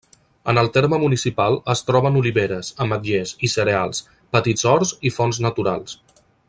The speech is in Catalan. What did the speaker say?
En el terme municipal es troben oliveres, ametllers i cereals, petits horts i fonts naturals.